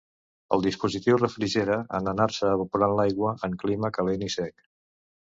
El dispositiu refrigera en anar-se evaporant l'aigua, en clima calent i sec.